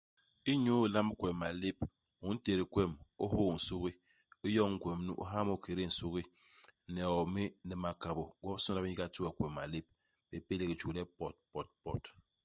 Inyu ilamb kwem malép, u ntét kwem. U hôô nsugi. U yoñ ikwem nu, u ha mu i kédé nsugi. Ni hiomi, ni makabô. Gwobisôna bi n'yiga ti we kwem malép. Bi pélék i juu le potpotpot.